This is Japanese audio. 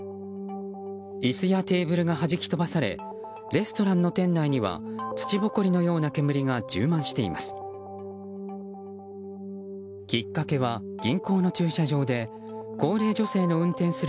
椅子やテーブルがはじき飛ばされレストランの店内には土ぼこりのような煙が充満しています。